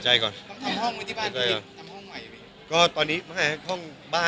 ทำห้องไว้ที่บ้านทำห้องใหม่อะไรอย่างนี้